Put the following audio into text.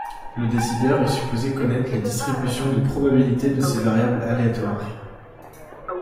Le décideur est supposé connaître les distributions de probabilités de ces variables aléatoires.